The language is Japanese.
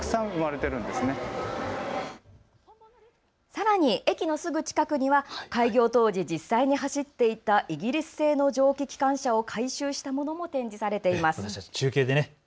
さらに駅のすぐ近くには開業当時、実際に走っていたイギリス製の蒸気機関車を改修したものも展示されています。